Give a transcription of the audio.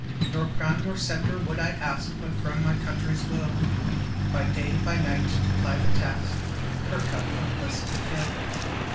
Nor crown nor sceptre would I ask But from my country's will, By day, by night, to ply the task Her cup of bliss to fill.